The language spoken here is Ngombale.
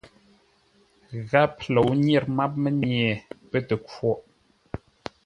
Gháp lǒu nyêr máp mənye pə́ tə khwôʼ.